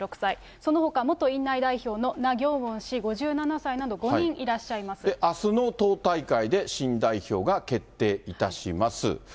そのほか、元院内代表のナ・ギョンウォン氏５７歳など、あすの党大会で、新代表が決定いたします。